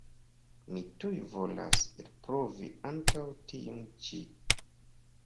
Mi tuj volas elprovi ankaŭ tiun ĉi.